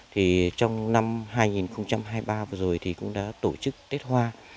thì trong năm hai nghìn hai mươi ba vừa rồi thì cũng đã tổ chức tết hoa